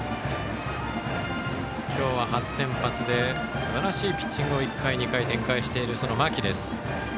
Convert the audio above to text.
今日は初先発ですばらしいピッチングを１回、２回と展開している、間木です。